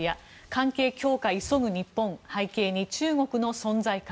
関係強化急ぐ日本背景の中国の存在感。